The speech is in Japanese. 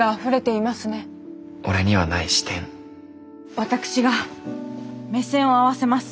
私が目線を合わせます。